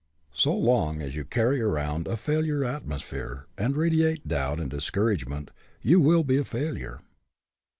So long as you carry around a failure atmosphere, and radiate doubt and discourage ment, you will be a failure.